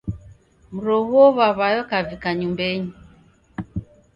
Mroghuo w'aw'ayo kavika nyumbeni.